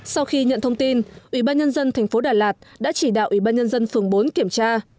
sau khi nhận thông tin ủy ban nhân dân thành phố đà lạt đã chỉ đạo ủy ban nhân dân phường bốn kiểm tra